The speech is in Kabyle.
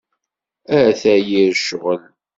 Ata yir ccɣel!